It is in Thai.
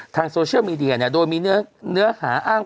ทางโซเชียลมีเดียโดยมีเนื้อหาอ้าง